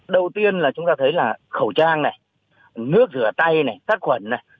đầu tiên là chúng ta thấy là khẩu trang này nước rửa tay này sát khuẩn này